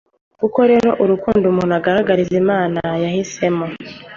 koko rero, urukundo umuntu agaragariza imana yahisemo.